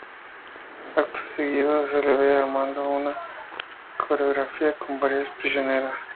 Acto seguido se le ve armando una coreografía con varias prisioneras.